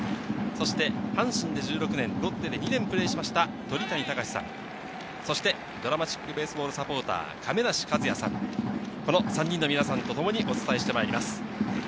そして阪神で１６年、ロッテで２年プレーした鳥谷敬さん、そしてＤＲＡＭＡＴＩＣＢＡＳＥＢＡＬＬサポーター・亀梨和也さん、この３人の皆さんとともにお伝えしてまいります。